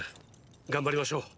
頑張りましょう。